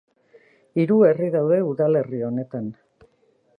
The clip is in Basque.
Hiru herri daude udalerri honetan.